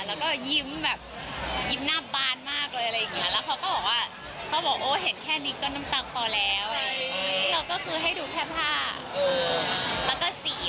แล้วก็ยิ้มแบบยิ้มหน้าบานมากอะไรอะไรอย่างนี้